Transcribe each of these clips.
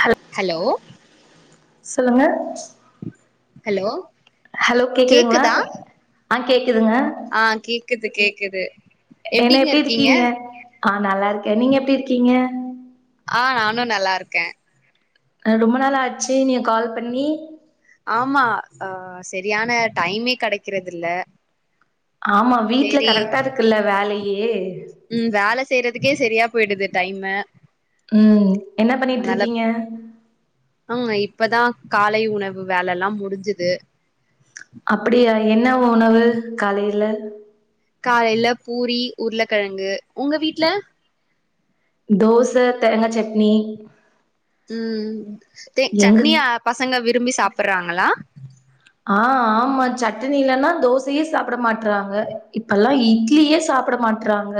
ஹல் ஹலோ சொல்லுங்க hello hello கேக்குதுங்ளா கேக்குதா ஆ கேக்குதுங்க ஆ கேக்குது கேக்குது என்ன எப்டிங்க எப்டி இருக்கீங்க ஆ நல்லா இருக்கே நீங்க எப்டி இருக்கீங்க ஆ நானு நல்லா இருக்கே அ ரொம்ப நாள் ஆச்சு நீங்க கால் பண்ணி ஆமா அ செரியான டைமே கெடைக்கிறது இல்ல ஆமா வீட்டுல சேரி கரெக்ட்டா இருக்குல்ல வேலையே ம் வேல செய்றதுக்கே சரியா போயிடுது டைமு ம் என்ன பண்ணிட்ருக்கீங்க ஆ இப்பதா காலை உணவு வேலலா முடிஞ்சுது அப்பிடியா என்ன உணவு காலைல காலைல பூரி உருளக்கெழங்கு உங்க வீட்ல தோச தேங்கா சட்னி ம் தே எங்க சட்னிய பசங்க விரும்பி சாப்பர்றாங்களா ஆ ஆமா சட்னி இல்லனா தோசையே சாப்ட மாட்றாங்க இப்பெல்லா இட்லியே சாப்ட மாட் றாங்க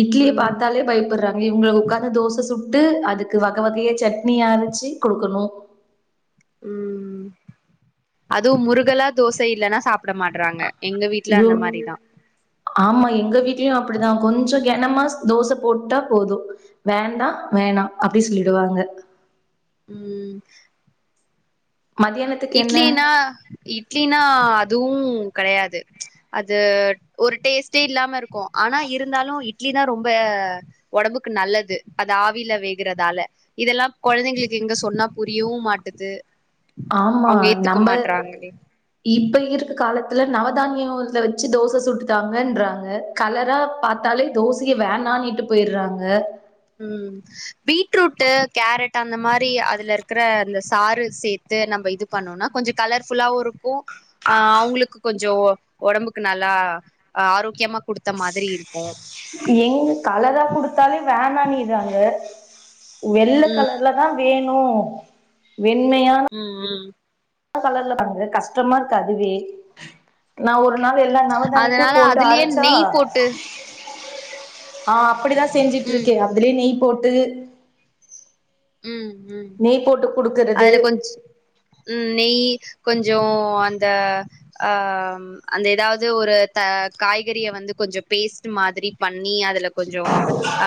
இட்லிய ம் பாத்தாலே பயப்புடுறாங்க இவுங்கள உக்காந்து தோச சுட்டு அது க்கு வக வகையா சட்னி அரைச்சி குடுக்கணு ம் அதுவு முருகலா தோசை இல்லனா சாப்ட மாட் றாங்க எங்க வீட்ல ஐயோ அந்த மாரிதா ஆமா எங்க வீட்லயு அப்புடுதா கொஞ்ச கெனமா தோச போட்டா போது வேண்டா வேணா அப்டி சொல்லிடுவாங்க ம் மதியானத் இட்லினா இட்லினா அதுவு கெடையாது ம்ச் அது ஒரு டேஸ்ட்டே இல்லாம இருக் கு ஆனா இருந்தாலு இட்லி தா ரொம்ப உடம்புக்கு நல்லது அது ஆவில வேகுறதால இதெல்லா கொழந்தைங்களுக்கு எங்க சொன்னா புரியவு மாட்டுது ஆம்மா அவங்க ஏத்துக்க நம்ப மாட்றாங்களே இப்ப இருக்கு காலத்துல நவ தானியோ இதுல வச்சு தோச சுட்டு தாங்கன்றாங்க கலரா பாத்தாலே தோசையே வேணானிட்டு போய்றாங்க ம் பீட்ரூட்டு கேரட் அந்த மாரி அதுல இருக்குற இந்த சாறு சேத் து நம்ப இது பண்ணோனா கொஞ்ச கலர் புல்லாவு இருக்கு ஆ அவுங்களுக்கு கொஞ்சோ உடம்புக்கு நல்லா ஆரோக்கியமா குடுத்த மாதிரி இருக்கு எங் கலரா குடுத்தாலே வேணான்னிறாங்க வெள்ள ம் கலர்ல தா வேணு வெண்மையா ம் ம் வெள்ள கலர்ல பண்து கஷ்டமா இருக்கு அதுவே நா ஒரு நாள் எல்லா நவதானியத்தை அதனால போட்டு அதுலயே அரைச்சா நெய் போட்டு ஆ அப்டிதா செஞ்சிட்டு ம் இருக்கே அதுலயே நெய் போட்டு ம் ம் நெய் போட்டு குடுக்கறது அதுல கொஞ் ம் நெய் கொஞ்சோ அந்த ஆ அந்த ஏதாது ஒரு தா காய்கறிய வந்து கொஞ்சோ பேஸ்ட் மாதிரி பண்ணி அதுல கொஞ்சோ ஆ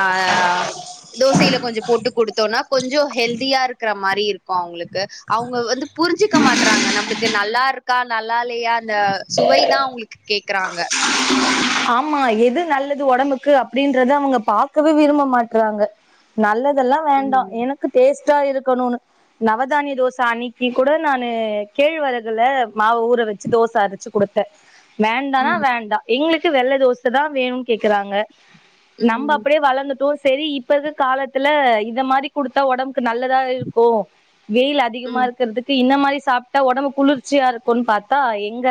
தோசைல கொஞ்சோ போட்டு குடுத்தோனா கொஞ்சோ ஹெல்தியா இருக்குற மாரி இருக்கு அவுங்களுக்கு அவுங்க வந்து புரிஞ்சிக்க மாட்றாங்க நம்மளுக்கு நல்லா இருக் கா நல்லாயில்லையா இந்த சுவைதா அவுங்களுக்கு கேக்குறாங்க ஆமா எது நல்லது உடம்புக்கு அப்பிடின்றத அவுங்க பாக்கவே விரும்ப மாட்றாங்க நல்லதெல்லா வேண்டா ம் எனக்கு டேஸ்ட்டா இருக்கணுனு நவதானிய தோச அன்னைக்கி கூட நானு கேழ்வரகுல மாவ ஊற வச்சி தோச அரைச்சி குடுத்தே வேண்டாணா ம் வேண்டா எங்களுக்கு வெள்ள தோச தா வேணுன்னு கேக்குறாங்க நம்ப ம் அப்பிடியே வளந்துட்டோ செரி இப்ப இருக்கிற காலத்துல இத மாரி குடுத்தா ஒடம்புக்கு நல்லதா இருக்கு வெயில் அ அதிகமா ம் இருக்குறதுக்கு இந்த மாரி சாப்டா ஒடம்பு குளிர்ச்சியா இருக்குன்னு பாத்தா எங்க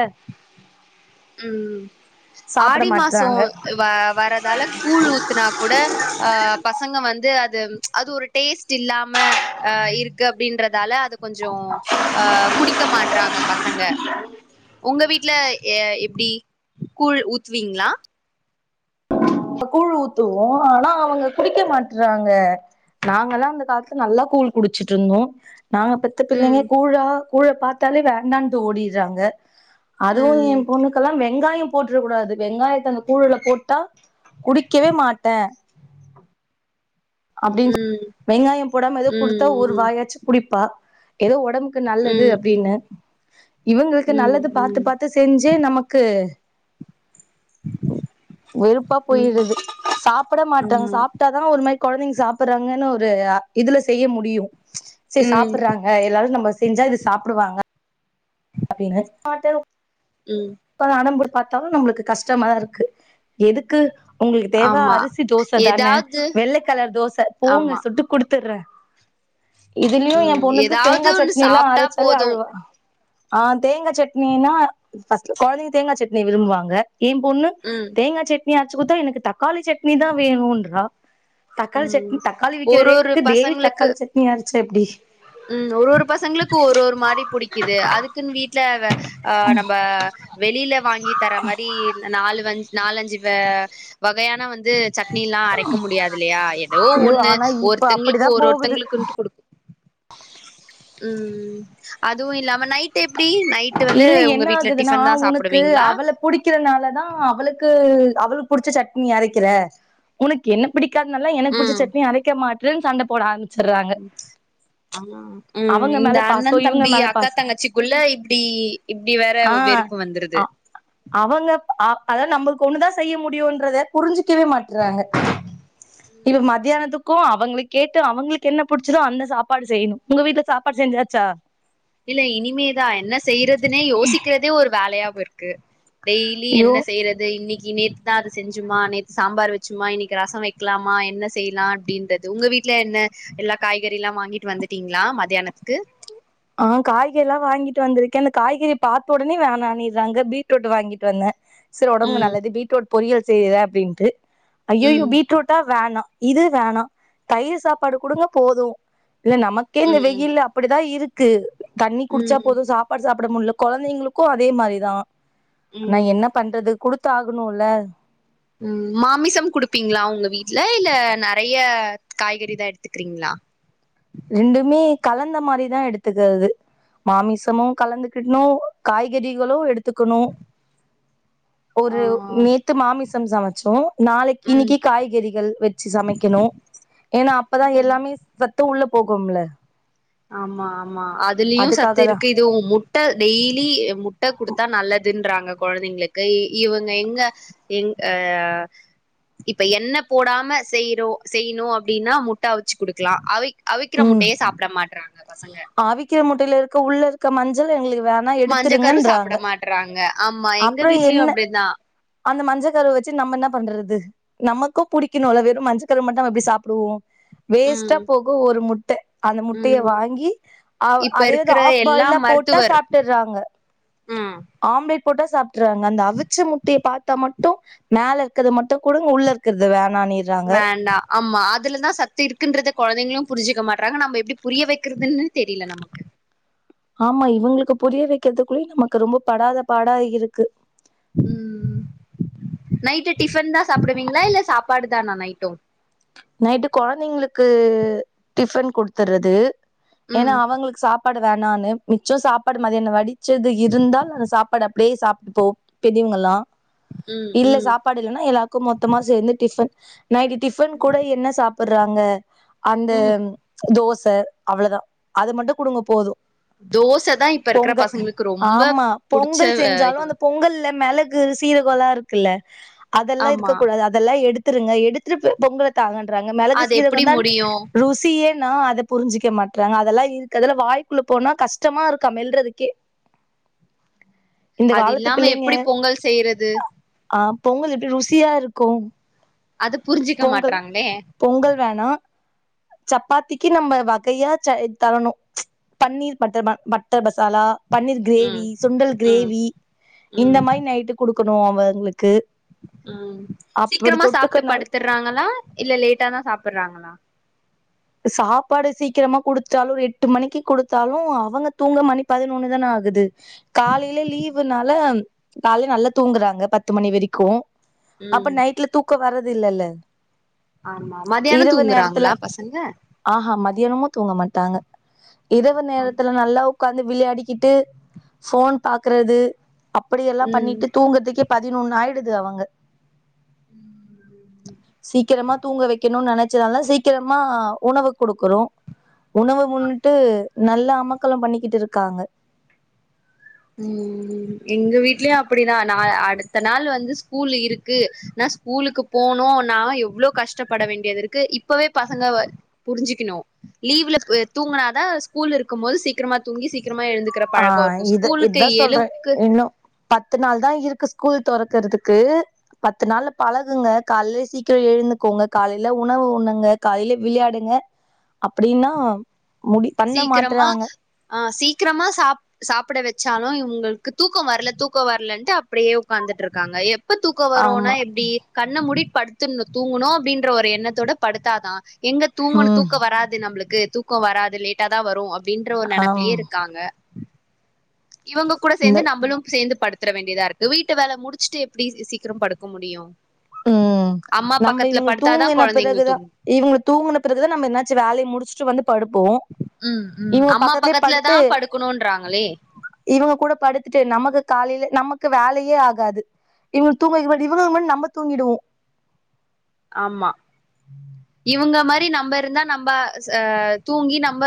ம் சாப்ட ஆடி மாசோ மாட்றாங்க வ வரதால கூழ் ஊத்துனா கூட ஆ பசங்க வந்து அது அது ஒரு டேஸ்ட் இல்லாம ஆ இருக்கு அப்டின்றதால அது கொஞ்சோ ஆ குடிக்க மாட்றாங்க பசங்க உங்க வீட்ல எ எப்டி கூழ் ஊத்துவீங்களா இப்ப கூழ் ஊத்துவோ ஆனா அவங்க குடிக்க மாட்டறாங்க நாங்கல்லா அந்த காலத்துல நல்லா கூழ் குடிச்சிட்டிருந்தோ நாங்க பெத் த பிள்ளைங்க ம் கூழா கூழ பாத்தாலே வேண்டான்ட்டு ஓடிடுறாங்க அதுவு ம் என் பொண்ணுக் க்கெல்லா வெங்காயோ போட்டுற கூடாது வெங்காயத்த அந்த கூழுல போட்டா குடிக்கவே மாட்டே அப்படின்னு ம் வெங்காய போடாம ஏதோ குடுத்தா ஒரு ம் வாயாச்சு குடிப்பா ஏதோ ஒடம்பு க்கு நல்லது ம் ம் அப்டின்னு இவங்களுக்கு ம் நல்லது பாத்து ம் பாத்து செஞ்சே நமக்கு வெறுப்பா ம் போயிடுது சாப்ட மாட்டாங்க ஆமா சாப்ட்டாதா ஒரு மாரி கொழந்தைங்க சாப்பிட்றாங்கன்னு ஒரு இதுல செய்ய முடியு செரி ம் சாப்பிட்றாங் க எல்லாரு நம்ம செஞ்சா இது சாப்பிடுவாங்க அப்டின்னு மாட்டே ம் இப்ப அடம்புடு பாத்தாலு நம்மளுக்கு கஷ்டமாதா இருக்கு எதுக்கு உங்களுக்கு தேவ ஆமா அரிசி தோச தானே எதாவ்து வெள்ளக்கலர் தோச போங்க ஆமா சுட்டு குடுத்துர்றே இதுலயு ஏ ம் பொண்ணுக்கு எதாவ்து தேங்கா ஒன்னு சட்னி எல்லா சாப்ட்டா அரச்சாலே போது அழுவா ஆ தேங்கா சட்னின்னா ஃபஸ்ட்டு கொழந்தைங்க தேங்கா சட்னி விரும்புவாங்க ஏ பொண்ணு ம் தேங்கா சட்னி அரச்சுக்குத்தா எனக்கு த க்காளி சட்னி தா வேணுன்றா தக்காளி ம் சட்னி தக்காளி விக்கிற ஒரு ஒரு ரேட்டுக்கு டெய்லி பசங்களுக்கு தக்காளி சட் னி அரச்சா எப்டி ம் ஒரு ஒரு பசங்களுக்கு ஒரு ஒரு மாரி புடிக்குது அது க்குன்னு வீட்ல வ ஆ நம்ப வெளில வாங்கி தரா மாரி நாலு வஞ் நாலஞ்சு வா வகையான வந் து சட்னி எல்லா அரைக்க முடியாது இல்லயா ஏதோ ஐயோ ஒண்ணு ஆனா இப்ப ஒருத்தங்களுக்கு அப்படிதா ஒரு போகுது ஒருத்தங்களுக்குட்டு குடுக் ம் அதுவு இல்லாம நைட் எப்டி நைட்டு வந்து இல்ல உங்க வீட்ல டிஃபன் தா சாப்புடுவீங்களா புடிக்கறனாலதா அவளுக்கு அவளுக்கு புடிச்ச சட்னி அறைக்கிற உனக்கு என்ன புடிக்காதுனாலா எனக்கு புடிச்ச ம் சட்னி அறைக்கா மாட்டுறன்னு சண்ட‌ போடா ஆரம் ஆ ம் அவங்க இந்த மேல பாசோ அண்ணன் இவங்க தம்பி மேல அக்கா பாசோ தங்கச்சிக்குள்ள இப்டி இப்டி வேற ஆ வெறுப்பு அ வந்துருது அவங்க அ அத நம்மளுக்கு ஒண்ணுதா செய்ய முடியுன்றத புரிஞ்சிக்கவே மாட்றாங்க ம் இது ம் மதியானத்துக் கு அவங்களுக்கு கேட்டு அவங்களுக்கு என்ன புடிச்சிதோ அந்த சாப்பாடு செய்யணு உங்க வீட்ல சாப்பாடு செஞ்சாச்சா இல்ல இனிமேதா என்ன செய்யறதுன்னே யோசிக்கிறதே ஒரு வேலையாவே இருக்கு டெய்லி ஐயோ என்ன செய்யறது இன்னிக்கி நேத் தா அத செஞ்சுமா நேத்து சாம்பார் வெச்சுமா இன்னிக்கி ரச வைக்கலாமா என்ன செய்யலா அப்டின்றது உங்க வீட்ல என்ன எல்லா காய்கறில்லா வாங்கிட்டு வந்துட்டீங்களா மத்தியானத்துக்கு ஆ காய்கறிலா வாங்கிட்டு வந்திருக்கே அந்த காய்கறி பாத்த ஒடனே வேணானிறாங்க பீட்ரூட் வாங்கிட்டு வந்தே செரி ஒடம்புக்கு ம் நல்லது பீட்ரூட் பொறியல் செய்யுத அப்டின்ட்டு அய்யயோ ம் பீட்ரூட் ட்டா வேணா இது வேணா தயிர் சாப்பாடு குடுங்க போது இல்ல நமக் கே இந்த ம் வெயில்ல அப்படிதா இருக்கு தண்ணி குடிச்சா ம் போது சாப் பாடு சாப்பிட முட்ல கொழந்தைங்களுக்கு அதே மாரிதா ஆனா ம் என்ன பண்றது குடுத்தாகணுல்ல ம் மாமிசம் குடுப்பீங்களா உங்க வீட்ல இல்ல நெறைய காய்கறி தா எடுத்துக்கிறீங்களா ரெண்டுமே கலந்த மாரிதா எடுத்துக்கிறது மாமிசமு கலந்துகிட்ணு காய்கறிகளு எடுத் த்துக்கணு ஆ ஒரு நேத்து மாமிசம் சமச்சோ நாளைக் ம் இன்னிக்கு காய்கறிகள் வச்சி சமைக்கணு ஏன்னா அப்பதா ம் எல்லாமே சத் த்து உள்ள போகும்ல்ல ஆமா ஆமா அதிலியு சத்து அதுக்காக தா இருக்கு துவு முட்ட டெய்லி முட்ட குடுத்தா நல்லதுன்றாங்க கொழந்தைங்களுக்கு இவங்க எங்க எங் ஆ இப்ப என்ன போடாம செய்றோ செய்யணு அப்டின்னா முட்ட அவிச்சி குடுக்கலா அவிக்கிற ம் முட்டைய சாப்பிடமாட்டறாங்க பசங்க அவிக்கிற முட்டையில இருக்க உள்ள இருக்க மஞ்சள் எங்களுக்கு வேணா எடுத்துருங்கன்றாங்க ட்றாங்க அப்புறோ என்ன அந்த மஞ்ச கருவ வச்சி நம்ம இன்னா பண்றது நமக்கு புடிக்கணுல்ல வெறு மஞ்சகரு மட்டு எப்பிடி சாப்பிடுவோ வேஸ்ட்டா ம் போகு ஒரு முட்ட அந்த முட்டைய ம் வாங்கி அ இப்ப அதேது இருக்கிற ஆஃப் எல்லா பாயிலா போட்டா மருத்துவர் சாப்பிட்டுறாங்க ம் ஆம்லேட் போட்டா சாப்பிட்றாங்க அந்த அவிச்ச முட்டைய பாத்தா மட்டு மேல இருக்கது மட்டு குடுங்க உள்ள இருக்கிறது வேணா நீ வேண்டா ஆமா அதுலதா சத்து இருக்குன்றத கொழந்தைங்களு புரிஞ்சிக்க மாட்டறாங்க நம்ப எப்டி புரிய வைக்கிறதுன்னு தெரியல நமக்கு ஆமா இவுங்களுக்கு புரிய வைக்கிறதுக்குள்ளயே நமக்கு ரொம்போ படாத பாடா இருக்கு ம் ம் நைட்டு டிஃபன் தா சாப்பிடுவீங்களா இல்ல சாப்பாடு தானா நைட்டு நைட்டு கொழந்தைங்களுக்கு டிபன் குடுத்தறது ஏனா ம் அவங்களுக்கு சாப் ப்பாடு வேணான்னு மிச்சோ சாப்பாடு மதியானோ வடிச்சது இருந்தால் அந்த சாப்பாடு ப்டியே சாப்பிட்டுபோ பெரியவங்கல்லா ம் இல்ல ம் சாப்பாடு இல்லன்னா எல்லாருக்கு மொத்தமா சேந்து டிஃபன் நைட்டு டிஃபன் கூட என்ன சாப் ப்பறாங்க அந்த ம் தோச அவ்ளதா அது மட்டு குடுங்க போது தோச தா இப்ப இருக்கிற பொங்க பசங்களுக்கு ரொம்ப ஆமா புடிச்ச பொங்கல் அ செஞ்சாலு இது அந்த பொங்கல்ல மெள கு சீரகோளா இருக்குல்ல அதெல்லா ஆமா இருக்கக்கூடாது அதெல்லா எடுத்துருங்க எடுத்துருப் பொங்கல தாங்கன்ராங்கா மெளகு அது எப்டி சீரகந்தான் முடியு ருசியே ன்ன அத புரிஞ்சிக்க மாட்டறாங்க அதெல்லா இருக்குதல வாய்க்குள்ள போனா கஷ்டமா இருக்கா மெல்றதுக்கே இந்த அது காலத்து இல்லாம பிள்ளைங்க எப்பிடி பொங்கல் செய்யறது ஆ பொங்கல் எப்பிடி ருசியா இருக்கு அத புரிஞ்சிக்க பொங்கல் மாட்ராங்களே பொங்கல் வேணா சப்பாத்திக்கு நம்ம வகையா ச தரணு பன்னீர் பட்டர் ம மட்டர் மசாலா பன்னீர் கிரேவி ம் சுண்டல் ம் கிரேவி இந்த ம் மாரி நைட்டு குடுக்கணு அவங்களுக்கு ம் அப்படி சீக்கிரமா சாப்பிட்டு தொட்டுக்கனால படுத்தறாங்களா இல்ல லேட்டாதா சாப்பறாங்களா சாப்பாடு சீக்கிரமா குடுத்ட்தாலு ஒரு எட்டு மணிக்கு குடுத்தாலு அவங்க தூங்க மணி பதினொன்னு தான ஆகுது காலையில லீவுனால காலே நல்லா தூங்குறாங்க பத்து மணி வரிக்கு அப்ப ம் நைட்ல தூக்கோ வரது இல்லல்ல ஆமா மதியானோ இரவு நேரத்துல தூங்குறாங்களா பசங்க ஆஹா மதியானமு தூங்க மாட்டாங்க இரவு நேரத்துல நல்லா ஒக்காந்துத்து விளையாடிக்கிட்டு ஃபோன் பாக்கறது அப்படிய எல்லாம் ம் பண்ணிட்டு தூங்கறதுக்கே பதினொன்னு ஆயிருது அவுங்க ம் [inaudible] சீக்கிரமா தூங்க வைக்கணு நனைச்சால சீக்கிரமா உணவு குடுக்கறோ உணவு உண்னுட்டு நல்ல அமக்கலம் பண்ணிக்கிட்டு இருக்காங்க ம் எங்க வீட்லயு அப்டிதா நா அடுத்த நாள் வந்து ஸ்கூல் இருக்கு நா ஸ்கூலுக்கு போனுனா எவ்ளோ கஷ்ட பட வேண்டியது இருக்கு இப்பவே பசங்க வ புரிஞ்சுக்குணு லீவுல பு தூங்குநாதா ஸ்கூல் இருக்கும் போது சீக்கிரமா தூங்கி சீக்கிரமா எழுந்து க்ற பழக்கோ இருக்கு ஸ் இதான் சொல்ற இன்னு பத்து நாள் தா இருக்கு ஸ்கூல் தொறக்கறதுக்கு பத்து நாள்ள பழகுங்க கால்லே சீக்கிரம் எழுந்துக்கோங்க காலைல உணவு உன்னுங்க காலைல விளையாடுங்க அப்டின்னா சீக்கரமா ஆ சீக்கரமா சாப் சாப்பட வெச்சாலு இவுங்ளுக்கு தூக்கோ வர்ல தூக்கோ வர்லன்ட்டு அப்டியே ஒக்காந்துட்ருக்காங்க எப் எப்ப தூக்கோ வருனா ஆமா எப்டி கண்ண மூடி படுத்துண்ணு தூங்குனோ அப்டின்ற ஒரு எண்ணத்தோட படுத்தாதா எங்க தூங்கணு ம் தூக்க வராது நம்முளுக்கு தூக்க வராது லேட்டா தா வரு அப்டின்ற ஒர் நெனப்புலே ஆம் இருக்காங்க இவுங்க கூட சேந்து நம்புளு சேந்து படுக் த்துர வேண்டியதா இருக்கு வீட்டு வேல முடிச்சிட்டு எப்டி சி சீக்கிர படுக்க முடியு ம் அம்மா பக்கத்ல படுத்தாதா கொழந்தைங்களுக் தூ இவுங்க தூங்கன பிறகு தா நம்ப என்னாச்சு வேலய முடிச்சிட்டு வந்து படுப்போ ம் ம் இவுங்க அம்மா பக்கத்லயே பக்கத்துல தா படுத்து படுக்கணுன்றாங்களே இவுங்க கூட படுத்துட்டு நமக்கு காலைல நமக்கு வேலயே ஆகாது இவ தூங்க இவ இவுங்க முன்னாடி நம்ப தூங்கிடுவோ ஆமா இவுங்க மாரி நம்ப இருந்தா நம்ப ச தூங்கி நம்ப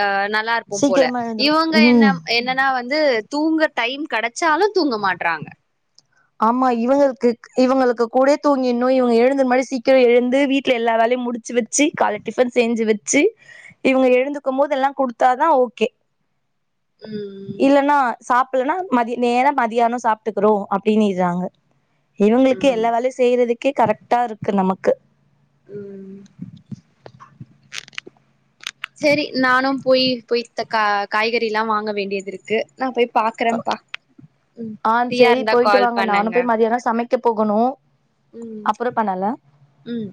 ஆ நா ல்லா இருப்போ போல சீக்கிரமா எழுந்துரு இவுங்க என்ன ம் என்னனா வந்து தூங்க டைம் கெடச்சாலு தூங்க மாட்றாங்க ஆமா இவுங்களுக்குக் இவுங்களுக்கு கூடயே தூங்கின்னு இவுங்க எழுந்து முன்னாடி சீக்கிர எழுந்து வீட்ல எல்லா வேலையு முடிச்சு வெச் ச்சி காலை டிஃபன் செஞ்சி வச்சி இவுங்க எழுந்துக்க மோது எல்லா குடுத்தாதா ஓகே ம் ம் இல்லனா சாப்புல்னா மதிய நேர மதியானொ சாப்டுக்குறோ அப்டின்னிற்றாங்க இவுங்ளுக்கே ம் எல்லா வேலையு செய்றதுக்கே கரெக்ட்டா இருக்கு நமக்கு ம் செரி நானு போய் போய் த கா காய்கறிலா வாங்க வேண்டியது இருக்கு நா போய் பாக்கறம்ப்பா ம் ஃப்ரீயா இருந்தா கால் பண்ணுங்க த்தியான சமைக் ங்க போகணு ம் அப்புறோ பண்ணல ம்